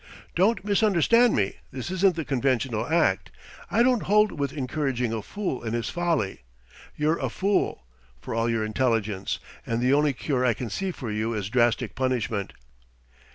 Don't misunderstand me: this isn't the conventional act; I don't hold with encouraging a fool in his folly. You're a fool, for all your intelligence, and the only cure I can see for you is drastic punishment."